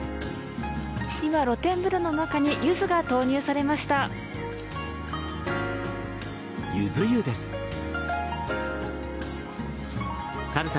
今、露天風呂の中にユズが投入されました。